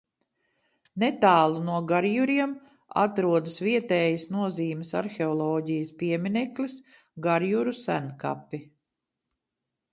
Netālu no Garjuriem atrodas vietējas nozīmes arheoloģijas piemineklis Garjuru senkapi.